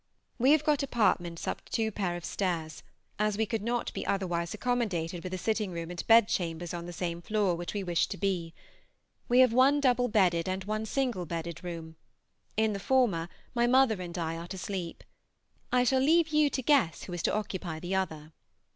We have got apartments up two pair of stairs, as we could not be otherwise accommodated with a sitting room and bed chambers on the same floor which we wished to be. We have one double bedded and one single bedded room; in the former my mother and I are to sleep. I shall leave you to guess who is to occupy the other.